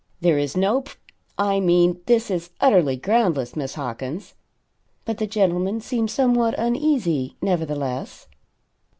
"There is no pr I mean, this is, utterly groundless, Miss Hawkins." But the gentleman seemed somewhat uneasy, nevertheless.